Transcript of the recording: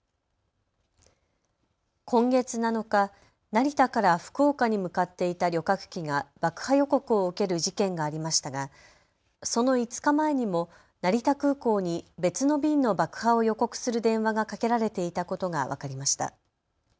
今月７日、成田から福岡に向かっていた旅客機が爆破予告を受ける事件がありましたがその５日前にも成田空港に別の便の爆破を予告する電話がかけられていたことが分かりました。